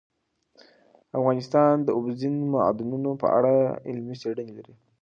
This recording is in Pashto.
افغانستان د اوبزین معدنونه په اړه علمي څېړنې لري.